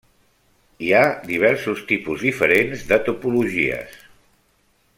Hi ha diversos tipus diferents de topologies.